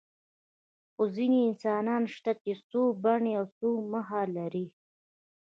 خو ځینې انسانان شته چې څو بڼې او څو مخه لري.